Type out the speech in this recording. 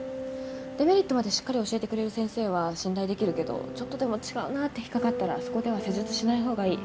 デメリットまでしっかり教えてくれる先生は信頼できるけどちょっとでも違うなって引っ掛かったらそこでは施術しない方がいい。